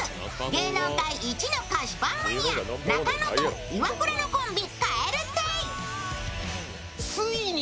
芸能界一の菓子パンマニア、中野とイワクラのコンビ、蛙亭。